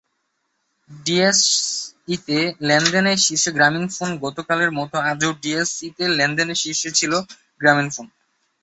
ডিএসইতে লেনদেনে শীর্ষে গ্রামীণফোনগতকালের মতো আজও ডিএসইতে লেনদেনে শীর্ষে ছিল গ্রামীণফোন।